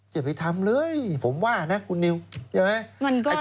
อย่าไปทำเลยผมว่านะคุณนิวใช่ไหม